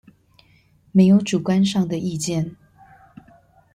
沒有主觀上的意見